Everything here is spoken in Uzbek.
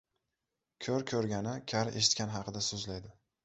• Ko‘r ko‘rgani, kar eshitgani haqida so‘zlaydi.